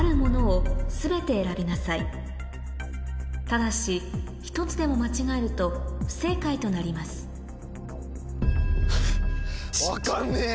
ただし１つでも間違えると不正解となります分かんねえ！